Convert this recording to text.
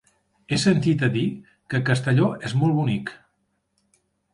He sentit a dir que Castelló és molt bonic.